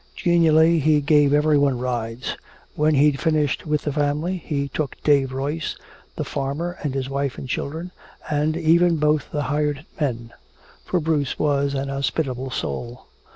Genially he gave everyone rides. When he'd finished with the family, he took Dave Royce the farmer and his wife and children, and even both the hired men, for Bruce was an hospitable soul.